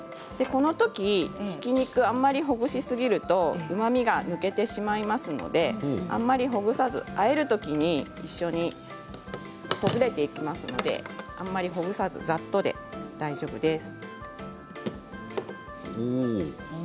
このとき、引き肉をあまりほぐしすぎるとうまみが消えてしまいますのであまり、ほぐさずあえるときに一緒にほぐれていきますのであまりほぐさずざっとで大丈夫です。